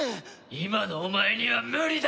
今のお前には無理だ！